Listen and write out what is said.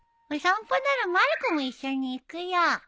お散歩ならまる子も一緒に行くよ。